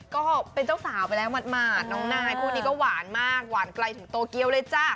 ก็เป็นเจ้าสาวไปแล้วหมาดน้องนายคู่นี้ก็หวานมากหวานไกลถึงโตเกียวเลยจ้ะ